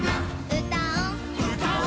「うたお」うたお。